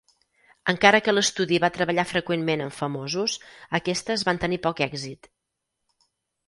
Encara que l'estudi va treballar freqüentment amb famosos, aquestes van tenir poc èxit.